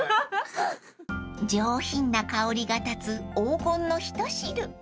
［上品な香りが立つ黄金の一汁いただきます］